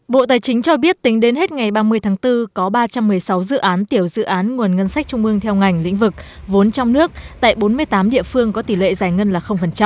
bộ tài chính cho biết tính đến hết ngày ba mươi tháng bốn có ba trăm một mươi sáu dự án tiểu dự án nguồn ngân sách trung ương theo ngành lĩnh vực vốn trong nước tại bốn mươi tám địa phương có tỷ lệ giải ngân là